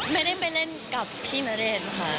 ไม่ได้ไปเล่นกับพี่ณเดชน์ค่ะ